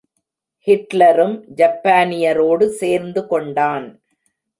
ஹிட்லரும் ஜப்பானியரோடு சேர்ந்துகொண்டான்.